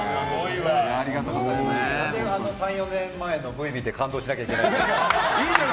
３４年前のＶを見て感動しなきゃいけないの？